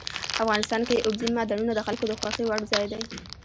افغانستان کې اوبزین معدنونه د خلکو د خوښې وړ ځای دی.